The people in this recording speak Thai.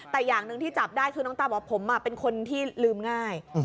แต่อย่างหนึ่งที่จับได้คือน้องตาบอกว่าผมเป็นคนที่ลืมง่าย